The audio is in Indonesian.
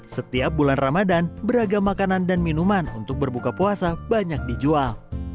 setiap bulan ramadan beragam makanan dan minuman untuk berbuka puasa banyak dijual